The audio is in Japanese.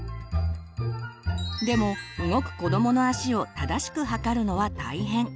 でも動く子どもの足を正しく測るのは大変。